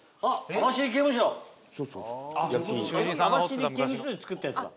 網走刑務所で作ったやつだ。